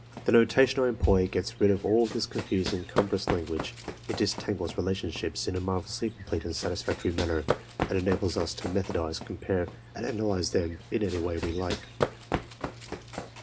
The notation I employ gets rid of all this confused and cumbrous language. It disentangles relationships in a marvellously complete and satisfactory manner, and enables us to methodise, compare, and analyse them in any way we like.